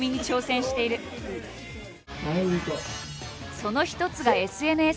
その一つがＳＮＳ。